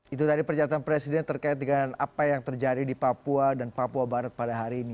itu tadi pernyataan presiden terkait dengan apa yang terjadi di papua dan papua barat pada hari ini